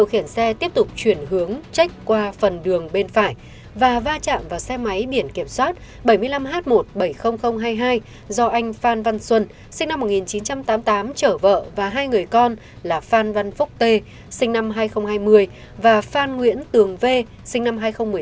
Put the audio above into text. điều khiển xe tiếp tục chuyển hướng trách qua phần đường bên phải và va chạm vào xe máy biển kiểm soát bảy mươi năm h một trăm bảy mươi nghìn hai mươi hai do anh phan văn xuân sinh năm một nghìn chín trăm tám mươi tám chở vợ và hai người con là phan văn phúc tê sinh năm hai nghìn hai mươi và phan nguyễn tường v sinh năm hai nghìn một mươi tám